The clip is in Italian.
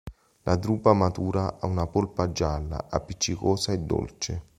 La drupa matura ha una polpa gialla, appiccicosa e dolce.